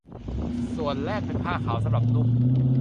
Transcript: ส่วนแรกเป็นผ้าขาวสำหรับนุ่ง